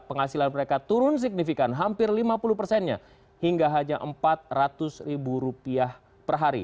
penghasilan mereka turun signifikan hampir lima puluh persennya hingga hanya empat ratus ribu rupiah per hari